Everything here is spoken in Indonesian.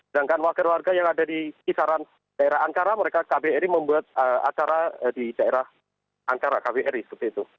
sedangkan wakil warga yang ada di kisaran daerah ankara mereka kbri membuat acara di daerah ankara kbri seperti itu